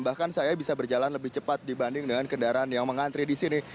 bahkan saya bisa berjalan lebih cepat dibanding dengan kendaraan yang mengantri di sini